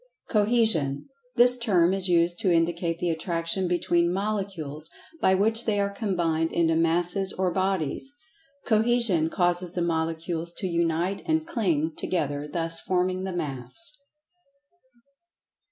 Cohesion: This term is used to indicate the attraction between Molecules, by which they are combined into Masses or Bodies. Cohesion causes the Molecules to unite and cling together, thus forming the Mass.